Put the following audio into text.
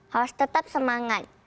harus tetap semangat